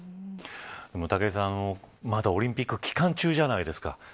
武井さん、まだオリンピック期間中じゃないですか。